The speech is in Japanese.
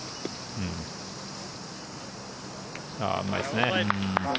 うまいですね。